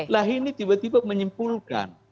lah ini tiba tiba menyimpulkan